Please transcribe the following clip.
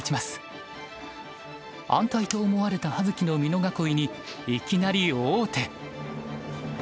安泰と思われた葉月の美濃囲いにいきなり王手。